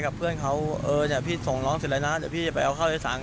กับเพื่อนเขาเออเนี่ยพี่ส่งน้องเสร็จแล้วนะเดี๋ยวพี่จะไปเอาข้าวให้สั่ง